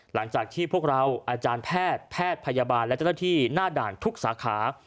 หลังจากที่พวกเราอาจารย์แพทย์แพทย์พยาบาลและเจ้าหน้าที่หน้าด่านทุกสาขา